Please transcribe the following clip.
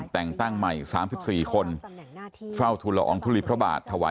แต่งตั้งใหม่๓๔คนเฝ้าทุลอองทุลีพระบาทถวาย